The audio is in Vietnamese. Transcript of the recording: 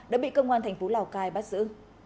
đã bị cơ quan thành phố lào cai bắt giữ